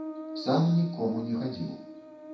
Сам ні к кому не хадзіў.